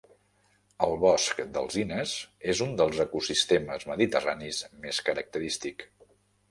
El bosc d'alzines és un dels ecosistemes mediterranis més característic.